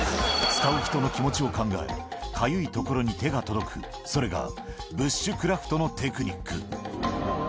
使う人の気持ちを考え、かゆいところに手が届く、それがブッシュクラフトのテクニック。